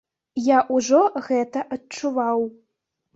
Я ўжо гэта адчуваў.